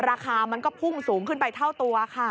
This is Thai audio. ราคามันก็พุ่งสูงขึ้นไปเท่าตัวค่ะ